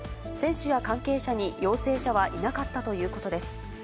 選手や関係者に陽性者はいなかったということです。